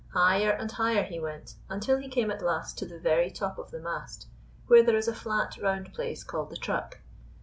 Higher and higher he went until he came at last to the very top of the mast, where there is a flat, round place called the truck.